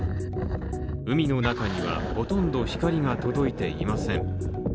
海の中にはほとんど光が届いていません。